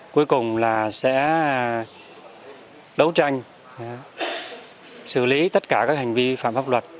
cuối cùng là sẽ đấu tranh xử lý tất cả các hành vi phạm pháp luật